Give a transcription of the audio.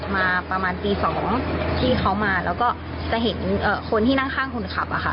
มาประมาณตี๒ที่เขามาแล้วก็จะเห็นคนที่นั่งข้างคนขับอะค่ะ